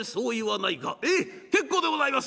「ええ結構でございます」。